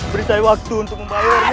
beri saya waktu untuk membayarnya